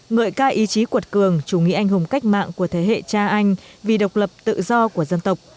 ngợi ca ý chí cuột cường chủ nghĩa anh hùng cách mạng của thế hệ cha anh vì độc lập tự do của dân tộc